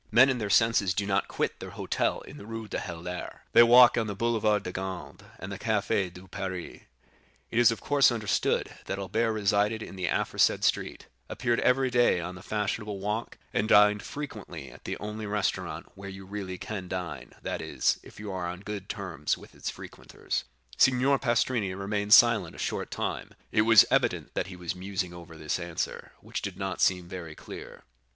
Men in their senses do not quit their hotel in the Rue du Helder, their walk on the Boulevard de Gand, and the Café de Paris." It is of course understood that Albert resided in the aforesaid street, appeared every day on the fashionable walk, and dined frequently at the only restaurant where you can really dine, that is, if you are on good terms with its waiters. Signor Pastrini remained silent a short time; it was evident that he was musing over this answer, which did not seem very clear.